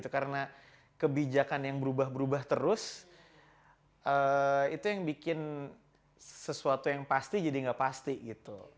karena kebijakan yang berubah berubah terus itu yang bikin sesuatu yang pasti jadi nggak pasti